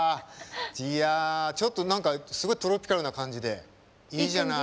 いやちょっと何かすごいトロピカルな感じでいいじゃない。